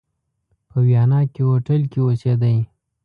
په ویانا کې هوټل کې اوسېدی.